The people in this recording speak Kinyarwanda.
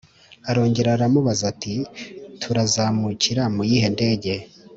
Arongera aramubaza ati Turazamukira mu yihe ndege